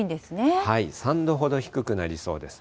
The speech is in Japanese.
３度ほど低くなりそうです。